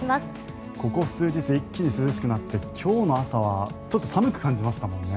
ここ数日一気に寒くなって今日の朝はちょっと寒く感じましたもんね。